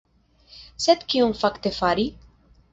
Sed kion fakte fari?